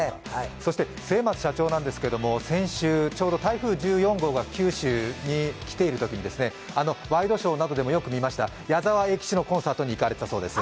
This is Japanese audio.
そして末松社長ですが先週、ちょうど台風１４号が九州に来ているときに、ワイドショーなどでもよく見ました、矢沢永吉さんのコンサートに行かれていたそうです。